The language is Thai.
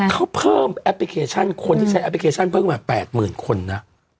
เขาเพิ่มแอปพลิเคชันคนที่ใช้แอปพลิเคชันเพิ่มมา๘๐๐๐คนนะ